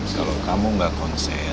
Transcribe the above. kalau kamu gak konsen